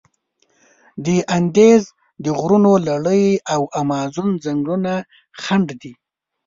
د اندیز د غرونو لړي او امازون ځنګلونه خنډ دي.